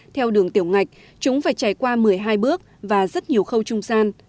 theo đường tiểu ngạch chúng phải trải qua một mươi hai bước và rất nhiều khâu trung gian